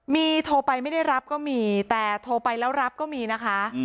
มีโทรไปไม่ได้รับก็มีแต่โทรไปแล้วรับก็มีนะคะ